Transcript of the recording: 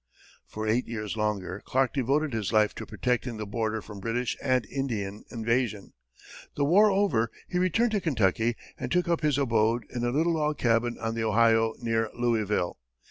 For eight years longer, Clark devoted his life to protecting the border from British and Indian invasion. The war over, he returned to Kentucky, and took up his abode in a little log cabin on the Ohio near Louisville.